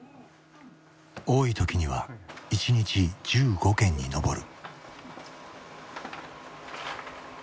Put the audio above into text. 多い時には１日１５件に上る。